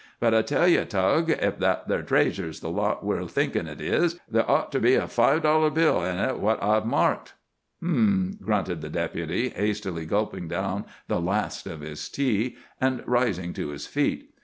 But I tell ye, Tug, if that there traysure's the lot we're thinkin' it is, there'd ought ter be a five dollar bill in it what I've marked." "H'm!" grunted the Deputy, hastily gulping down the last of his tea, and rising to his feet.